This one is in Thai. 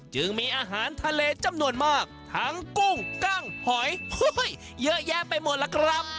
จึงมีอาหารทะเลจำนวนมากทั้งกุ้งกั้งหอยเยอะแยะไปหมดล่ะครับ